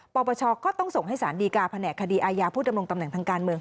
ปปชก็ต้องส่งให้สารดีการแผนกคดีอายาผู้ดำรงตำแหน่งทางการเมือง